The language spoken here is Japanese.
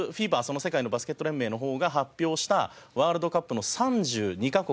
世界のバスケット連盟の方が発表したワールドカップの３２カ国